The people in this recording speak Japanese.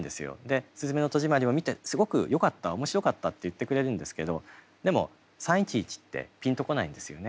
「すずめの戸締まり」を見てすごくよかった面白かったって言ってくれるんですけどでも３．１１ってピンと来ないんですよね。